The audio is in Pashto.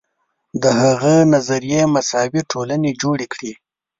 د هغه نظریې مساوي ټولنې جوړې کړې.